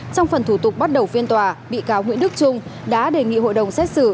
trong phần thủ tục bắt đầu phiên tòa bị cáo nguyễn đức trung đã đề nghị hội đồng xét xử